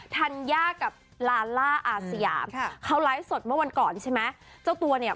ธัญญากับลาล่าอาสยามค่ะเขาไลฟ์สดเมื่อวันก่อนใช่ไหมเจ้าตัวเนี่ย